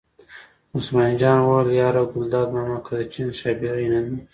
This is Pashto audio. عثمان جان وویل: یار ګلداد ماما که د چین ښاپېرۍ نه دي.